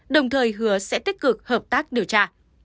đồng thời hứa sẽ tích cực hợp tác điều tra